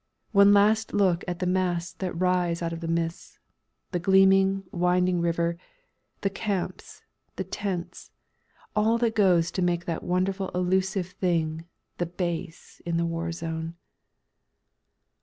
One last look at the masts that rise out of the mists, the gleaming, winding river, the camps, the tents, all that goes to make that wonderful elusive thing "The Base" in the war zone.